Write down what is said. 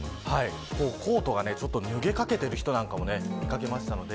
コートが脱げかけている人なんかも見掛けましたので。